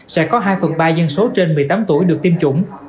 sẽ có hai phần ba dân số trên một mươi tám tuổi được tiêm chủng